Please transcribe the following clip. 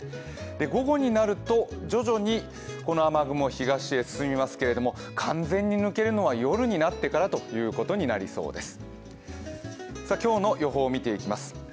午後になると、徐々にこの雨雲東へ進みますけれども、完全に抜けるのは夜になってからということになりそうです。